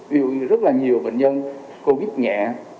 vì rất là nhiều bệnh nhân covid nhẹ